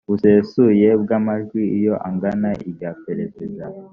busesuye bw amajwi iyo angana irya perezida